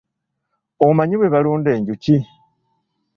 Omanyi bwe balunda enjuki?